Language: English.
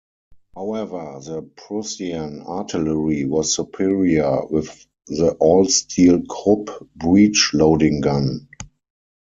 However, the Prussian artillery was superior with the all-steel Krupp breech-loading gun.